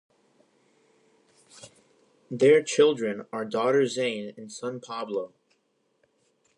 Their children are daughter Zayn and son Pablo.